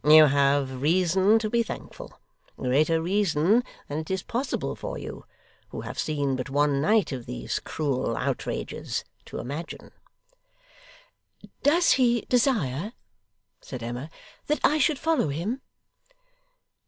You have reason to be thankful: greater reason than it is possible for you, who have seen but one night of these cruel outrages, to imagine.' 'Does he desire,' said Emma, 'that I should follow him?